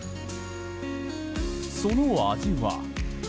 その味は？